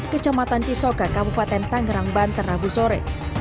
kecamatan cisoka kabupaten tangerangban ternabu sore